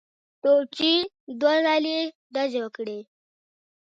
توپچي دوه ځلي ډزې وکړې.